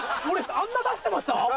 俺あんな出してました？